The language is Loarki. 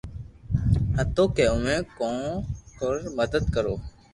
ھتو ڪي اووي ڪوڪر مدد ڪرو